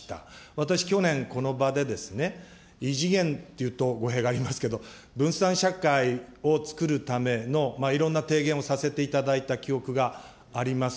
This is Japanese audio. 私、去年、この場でですね、異次元っていうと語弊がありますけど、分散社会をつくるためのいろんな提言をさせていただいた記憶があります。